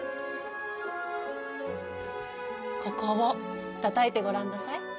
ここを叩いてごらんなさい。